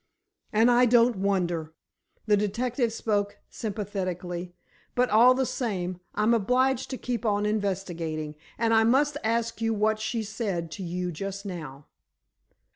"And I don't wonder!" the detective spoke sympathetically. "But all the same, I'm obliged to keep on investigating, and I must ask you what she said to you just now."